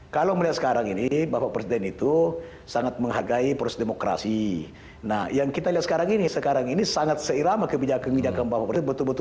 kalau melihat sekarang ini bapak presiden itu sangat menghargai proses demokrasi nah yang kita lihat sekarang ini sekarang ini sangat seirama kebijakan kebijakan bapak presiden betul betul